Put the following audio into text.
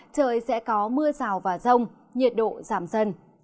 trời sẽ có mưa rào và rông nhiệt độ giảm dần